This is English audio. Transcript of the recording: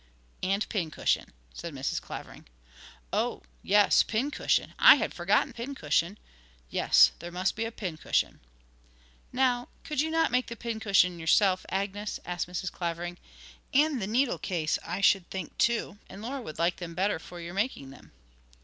'And pincushion,' said Mrs. Clavering. 'Oh yes, pincushion; I had forgotten pincushion. Yes, there must be a pincushion.' 'Now, could not you make the pincushion yourself, Agnes?' asked Mrs. Clavering. 'And the needle case, I should think, too; and Laura would like them better for your making them.'